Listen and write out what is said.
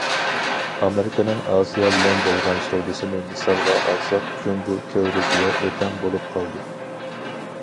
ئامېرىكىنىڭ ئاسىيا بىلەن بولغان سودىسىنى مىسالغا ئالساق، جۇڭگو كۆۋرۈك ۋە ئۆتەڭ بولۇپ قالدى.